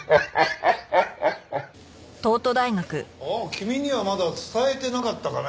君にはまだ伝えてなかったかね？